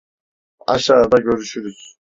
Aşağıda görüşürüz.